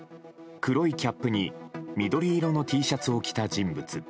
黒いキャップに緑色のＴシャツを着た人物。